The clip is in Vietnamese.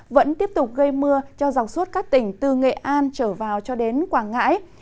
vẫn tiếp tục gây mưa cho dọc suốt các tỉnh từ nghệ an trở vào cho đến quảng ngãi